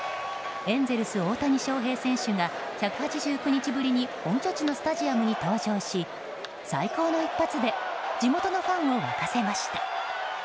エンゼルス大谷翔平選手が１８９日ぶりに本拠地のスタジアムに登場し最高の一発で地元のファンを沸かせました。